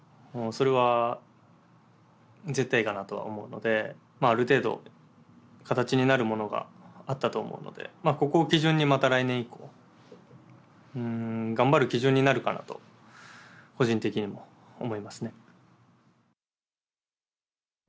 それは絶対かなとは思うのである程度形になるものがあったと思うのでここを基準にまた個人的にも思いますね。